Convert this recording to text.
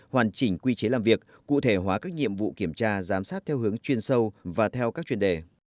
hoàn chỉnh quy chế làm việc cụ thể hóa các nhiệm vụ kiểm tra giám sát theo hướng chuyên sâu và theo các chuyên đề